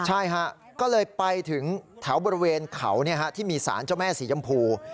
ใช่ฮะก็เลยไปถึงแถวบริเวณเขาที่มีสารเจ้าแม่สียำพู